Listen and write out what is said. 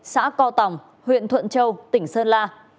xã co tòng huyện thuận châu tỉnh sơn la